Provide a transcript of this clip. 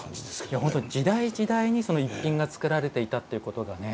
いや本当に時代時代にその逸品が作られていたっていうことがね